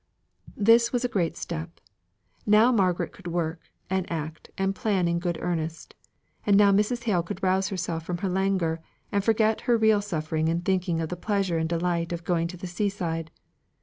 This was a great step. Now Margaret could work, and act, and plan in good earnest. And now Mrs. Hale could rouse herself from her languor, and forget her real suffering in thinking of the pleasure and the delight of going to the sea side.